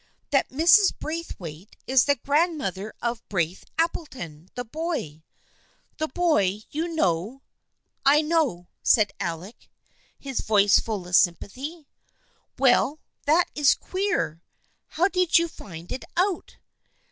"" That Mrs. Braithwaite is the grandmother of Braith Appleton, the boy — the boy, you know " THE FRIENDSHIP OF ANNE 289 " I know," said Alec, his voice full of sympathy. " Well, that is queer ! How did you find it out?